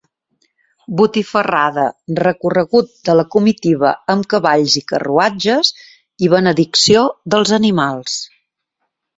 Botifarrada, recorregut de la comitiva amb cavalls i carruatges i benedicció dels animals.